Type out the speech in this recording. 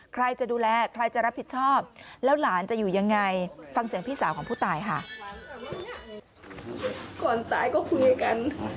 ใครจะดูแลใครจะรับผิดชอบแล้วหลานจะอยู่ยังไงฟังเสียงพี่สาวของผู้ตายค่ะ